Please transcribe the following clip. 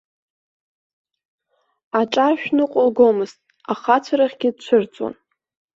Аҿаршә ныҟәылгомызт, ахацәа рахьгьы дцәырҵуан.